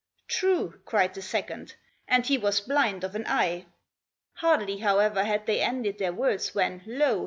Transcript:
"True," cried the second, "and he was blind of an eye.'* Hardly, however, had they ended their words when lo!